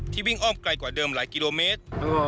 วิ่งอ้อมไกลกว่าเดิมหลายกิโลเมตร